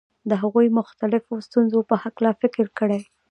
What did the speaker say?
د هغو مختلفو ستونزو په هکله فکر کړی.